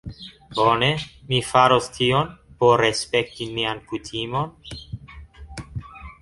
Bone. Mi faros tion por respekti nian kutimon